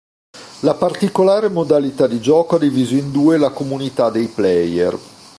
La particolare modalità di gioco ha diviso in due la comunità dei player.